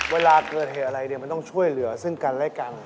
เวลาเกิดเหตุอะไรเนี่ยมันต้องช่วยเหลือซึ่งกันและกัน